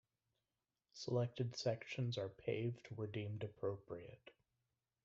Selected sections are paved where deemed appropriate.